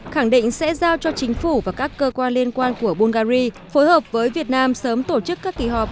khẳng định sẽ giao cho chính phủ và các cơ quan liên quan của bungary phối hợp với việt nam sớm tổ chức các kỳ họp